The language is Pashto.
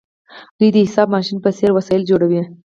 دوی د حساب ماشین په څیر وسایل جوړوي.